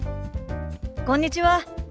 こんにちは。